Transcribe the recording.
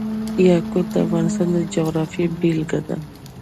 یاقوت د افغانستان د جغرافیې بېلګه ده.